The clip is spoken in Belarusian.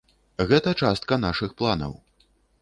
Гэта частка нашых планаў.